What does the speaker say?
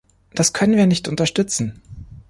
Das können wir nicht unterstützen!